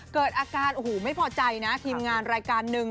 เกิดอาการโอ้โหไม่พอใจนะทีมงานรายการหนึ่ง